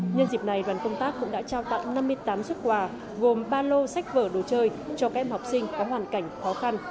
nhân dịp này đoàn công tác cũng đã trao tặng năm mươi tám xuất quà gồm ba lô sách vở đồ chơi cho các em học sinh có hoàn cảnh khó khăn